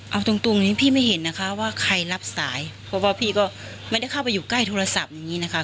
เอาตรงตรงนี้พี่ไม่เห็นนะคะว่าใครรับสายเพราะว่าพี่ก็ไม่ได้เข้าไปอยู่ใกล้โทรศัพท์อย่างนี้นะคะ